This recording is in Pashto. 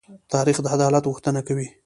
تاریخ د عدالت غوښتنه کوي.